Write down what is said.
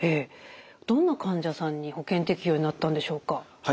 どんな患者さんに保険適用になったんでしょうか？